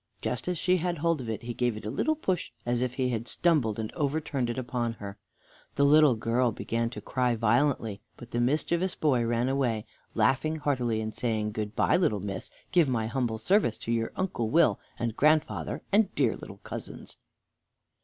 Just as she had hold of it he gave it a little push, as if he had stumbled, and overturned it upon her. The little girl began to cry violently, but the mischievous boy ran away, laughing heartily, and saying: "Good by, little miss! Give my humble service to your Uncle Will, and grandfather, and the dear little cousins."